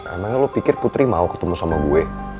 emang lo pikir putri mau ketemu sama gue